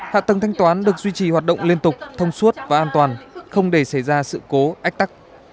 hạ tầng thanh toán được duy trì hoạt động liên tục thông suốt và an toàn không để xảy ra sự cố ách tắc